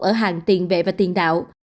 ở hàng tiền vệ và tiền đạo